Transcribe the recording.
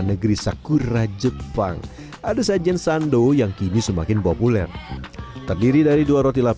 negeri sakura jepang ada sajian sando yang kini semakin populer terdiri dari dua roti lap